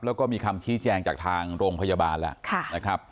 แล้วก็มีคำชี้แจงจากทางโรงพยาบาลแล้วนะครับ